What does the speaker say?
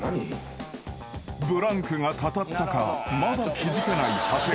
［ブランクがたたったかまだ気付けない長谷川］